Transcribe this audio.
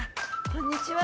こんにちは。